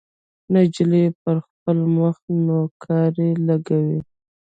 نجلۍ پر خپل مخ نوکارې لګولې.